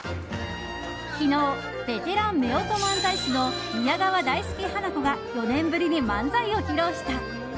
昨日、ベテランめおと漫才師の宮川大助・花子が４年ぶりに漫才を披露した。